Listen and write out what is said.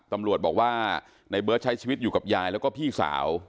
ตำรวจบอกว่าในเบิร์ตใช้ชีวิตอยู่กับยายแล้วก็พี่สาว